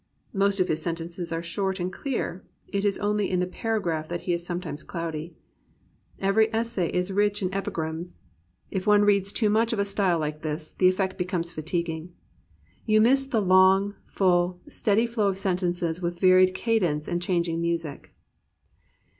Most of his sentences are short and clear; it is only in the paragraph that he is sometimes cloudy. Every essay is rich in epigrams. 352 A PURITAN PLUS POETRY If one reads too much of a style like this, the effect becomes fatiguing. You miss the long, full, steady flow of sentences with varied cadence and changing music.